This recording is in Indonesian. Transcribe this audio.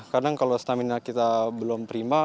kadang kalau stamina kita belum prima